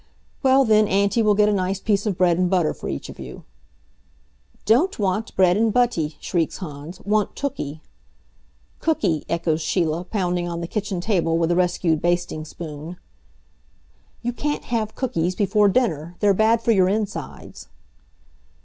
"Well then, Auntie will get a nice piece of bread and butter for each of you." "Don't want bread an' butty!" shrieks Hans. "Want tooky!" "Cooky!" echoes Sheila, pounding on the kitchen table with the rescued basting spoon. "You can't have cookies before dinner. They're bad for your insides."